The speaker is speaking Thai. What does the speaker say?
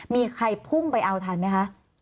มีใครพุ่งไปเอาทันไหมคะ